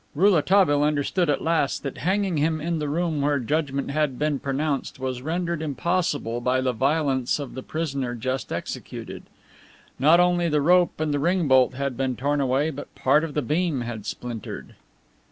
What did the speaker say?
Rouletabille understood at last that hanging him in the room where judgment had been pronounced was rendered impossible by the violence of the prisoner just executed. Not only the rope and the ring bolt had been torn away, but part of the beam had splintered.